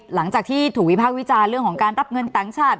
หลังจากที่ถูกวิภาควิจารณ์เรื่องของการรับเงินต่างชาติ